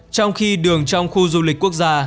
trong khi đường trong khu du lịch quốc gia